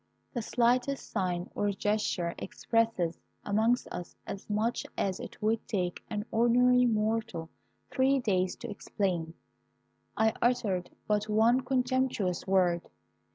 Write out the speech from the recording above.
"The slightest sign or gesture expresses amongst us as much as it would take an ordinary mortal three days to explain. I uttered but one contemptuous word.